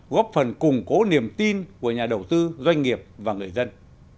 góp phần củng cố niềm tin của nhà đầu tư doanh nghiệp và người dân